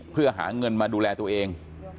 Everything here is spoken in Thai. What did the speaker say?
เพื่อหาเงินมาดูแลตัวเอง